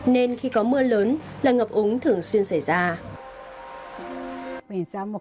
nên khi có mưa lớn là ngập úng thường xuyên xảy ra